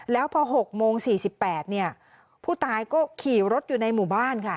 แล้วพอหกโมงสี่สิบแปดเนี้ยผู้ตายก็ขี่รถอยู่ในหมู่บ้านค่ะ